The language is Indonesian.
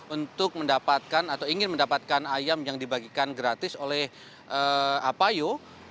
untuk mendapatkan atau ingin mendapatkan ayam yang dibagikan gratis oleh apayo